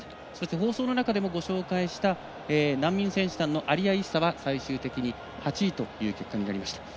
放送の中でもご紹介した難民選手団のアリア・イッサは最終的に８位という結果になりました。